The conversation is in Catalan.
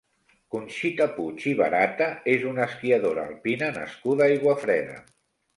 Conxita Puig i Barata és una esquiadora alpina nascuda a Aiguafreda.